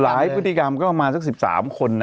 พฤติกรรมก็ประมาณสัก๑๓คน